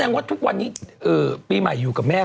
แม่ส่วนใหญ่แต่เขาคงมีบางวันที่เขาไปอยู่กับพ่อบ้าง